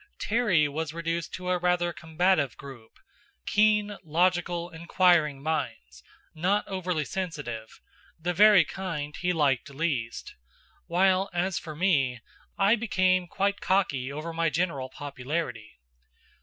Terry was reduced to a rather combative group: keen, logical, inquiring minds, not overly sensitive, the very kind he liked least; while, as for me I became quite cocky over my general popularity.